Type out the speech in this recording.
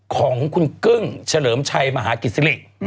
ของคุณกึ้งเฉลิมไชยมหากิศริกษ์